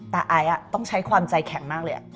ไอซ์ต้องใช้ความใจแข็งมากเลย